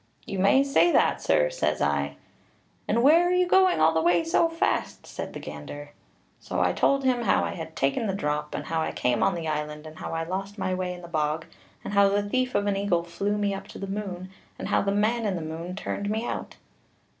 'You may say that, sir,' says I. 'And where are you going all the way so fast?' said the gander. So I told him how I had taken the drop, and how I came on the island, and how I lost my way in the bog, and how the thief of an eagle flew me up to the moon, and how the man in the moon turned me out.